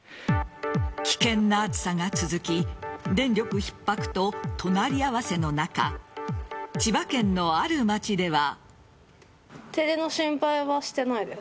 危険な暑さが続き電力ひっ迫と隣り合わせの中千葉県のある町では。